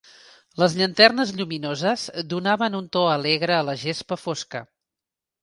Les llanternes lluminoses donaven un to alegre a la gespa fosca.